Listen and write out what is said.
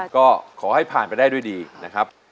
ก็ขอให้ผ่านไปได้ด้วยดีนะครับ